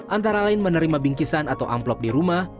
antara lain menerima bingkisan atau amplop di rumah